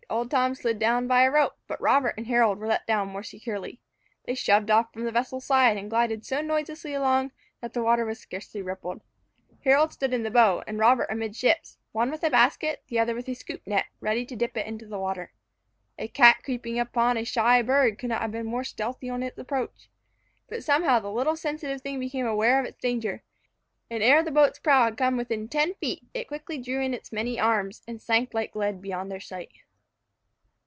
Old Tom slid down by a rope, but Robert and Harold were let down more securely. They shoved off from the vessel's side, and glided so noiselessly along, that the water was scarcely rippled. Harold stood in the bow, and Robert amidships, one with a basket, and the other with a scoop net, ready to dip it from the water. A cat creeping upon a shy bird could not have been more stealthy in its approach. But somehow the little sensitive thing became aware of its danger, and ere the boat's prow had come within ten feet, it quickly drew in its many arms, and sank like lead beyond their sight.